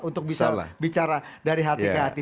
untuk bisa bicara dari hati ke hati